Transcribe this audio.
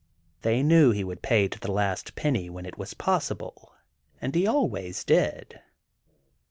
They knew he would pay to the last penny when it was possible, and he always did.